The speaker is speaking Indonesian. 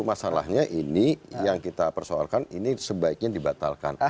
masalahnya ini yang kita persoalkan ini sebaiknya dibatalkan